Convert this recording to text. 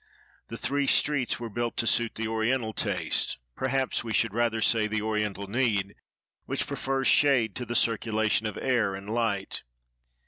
The three streets were built to suit the Oriental taste, perhaps we should rather say the Oriental need, which prefers shade to the circulation of air and light.